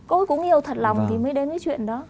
cô ấy cũng yêu thật lòng thì mới đến cái chuyện đó